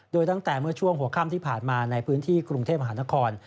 โดยตั้งแต่เมื่อช่วงหัวค่ำที่ผ่านมาในพื้นที่กรุงเทพมหานคร